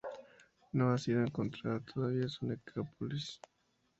No ha sido encontrada todavía su necrópolis.